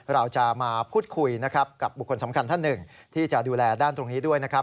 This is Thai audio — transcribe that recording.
เราจะมาพูดคุยนะครับกับบุคคลสำคัญท่านหนึ่งที่จะดูแลด้านตรงนี้ด้วยนะครับ